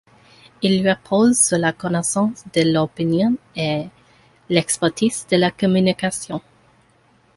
Il repose sur la connaissance de l’opinion et l’expertise de la communication.